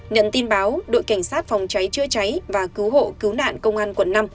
nhận tin báo đội cảnh sát phòng cháy chữa cháy và cứu hộ cứu nạn công an quận năm